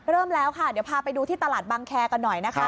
เริ่มแล้วค่ะเดี๋ยวพาไปดูที่ตลาดบางแคร์กันหน่อยนะคะ